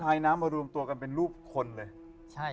ยน้ำมารวมตัวกันเป็นรูปคนเลยใช่